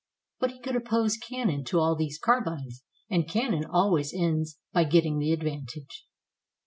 But he could oppose cannon to all these carbines, and cannon always ends by getting the advantage.